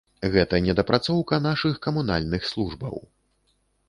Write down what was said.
Гэта недапрацоўка нашых камунальных службаў.